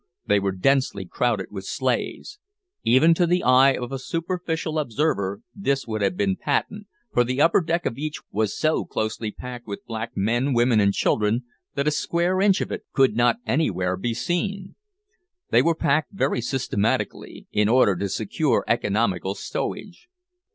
They were densely crowded with slaves. Even to the eye of a superficial observer this would have been patent, for the upper deck of each was so closely packed with black men, women, and children, that a square inch of it could not anywhere be seen. They were packed very systematically, in order to secure economical stowage.